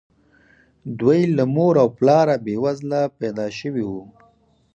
دوی له مور او پلاره بې وزله پيدا شوي وو.